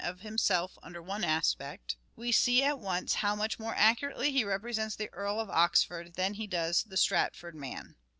of himself under one aspect, we see at once how much more accurately he represents the Earl of Oxford than he does the Stratford man.